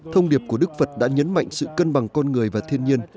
thông điệp của đức phật đã nhấn mạnh sự cân bằng con người và thiên nhiên